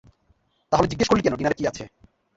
তাহলে জিজ্ঞেস করলি কেন ডিনারে কী আছে?